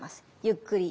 ゆっくり。